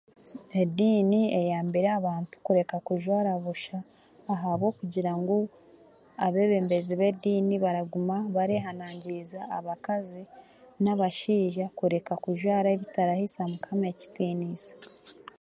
Ediini eyambire abantu kureka kujwara busha ahabwokugira ngu abeebembezi b'ediini baraguma bareehanangiriza abakazi n'abashaija kureka kujwara ebitaraheesa mukama ekitiinisa.